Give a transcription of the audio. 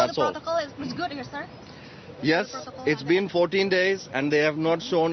ya sudah empat belas hari dan mereka tidak menunjukkan penyakit corona